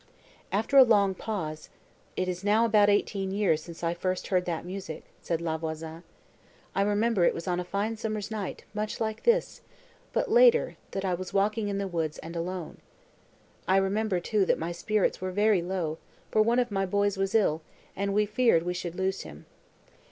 After a long pause, "It is now about eighteen years since I first heard that music," said La Voisin; "I remember it was on a fine summer's night, much like this, but later, that I was walking in the woods, and alone. I remember, too, that my spirits were very low, for one of my boys was ill, and we feared we should lose him.